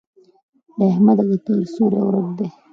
له احمده د کار سوری ورک دی.